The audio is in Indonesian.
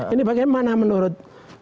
ini bagaimana menurut